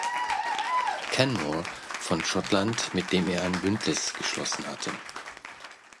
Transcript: Canmore von Schottland, mit dem er ein Bündnis geschlossen hatte.